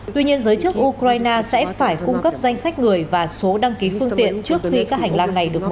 tuy nhiên giới chức ukraine sẽ phải cung cấp danh sách người và số đăng ký phương tiện trước khi các hành lang này được mở